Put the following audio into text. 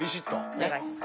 お願いします。